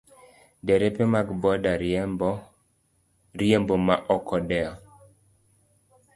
Derepe mag boda riembo ma ok odewo.